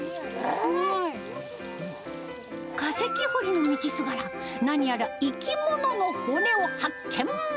化石掘りの道すがら、何やら生き物の骨を発見。